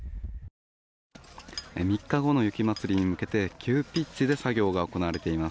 ３日後の雪まつりに向けて急ピッチで作業が行われています。